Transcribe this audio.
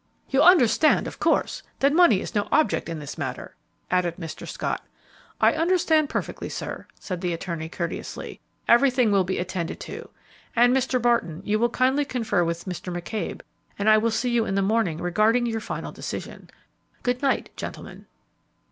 "You understand, of course, that money is no object in this matter," added Mr. Scott. "I understand perfectly, sir," said the attorney, courteously; "everything will be attended to; and, Mr. Barton, you will kindly confer with Mr. McCabe, and I will see you in the morning regarding your final decision. Good night, gentlemen."